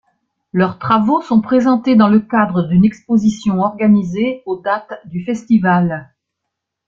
Leurs travaux sont présentés dans le cadre d'une exposition organisée aux dates du Festival.